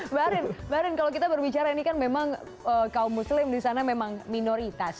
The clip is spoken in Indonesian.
mbak arin mbak arin kalau kita berbicara ini kan memang kaum muslim di sana memang minoritas